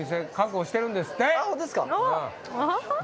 ホントですか。